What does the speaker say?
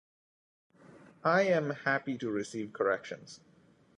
I am happy to receive corrections.